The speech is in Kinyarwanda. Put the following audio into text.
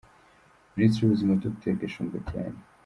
Minisitiri w’Ubuzima : Dr Gashumba Diane